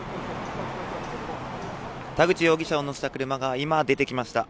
田口容疑者を乗せた車が今、出てきました。